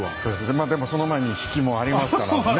まあでもその前に比企もありますからね。